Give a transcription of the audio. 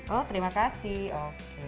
oh terima kasih